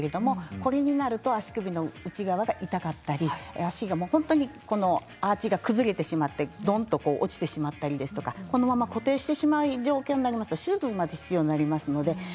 足首の内側が痛かったり足がアーチが崩れてしまってドンと落ちてしまったりこのまま固定してしまう状態になると手術が必要になります。